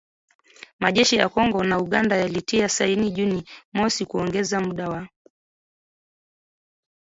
majeshi ya Kongo na Uganda yalitia saini Juni mosi kuongeza muda wa